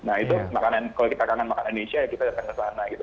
nah itu kalau kita kangen makanan indonesia kita datang ke sana gitu